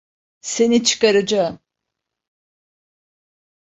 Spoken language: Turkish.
Seni çıkaracağım.